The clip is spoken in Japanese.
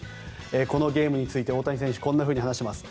このゲームについて大谷選手はこんなふうに話しています。